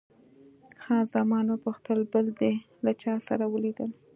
خان زمان وپوښتل، بل دې له چا سره ولیدل؟